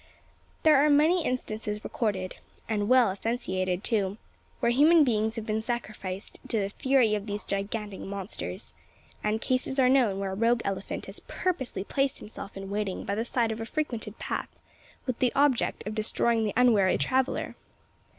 There are many instances recorded and well authenticated too where human beings have been sacrificed to the fury of these gigantic monsters: and cases are known where a rogue elephant has purposely placed himself in waiting by the side of a frequented path, with the object of destroying the unwary traveller!